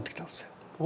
お。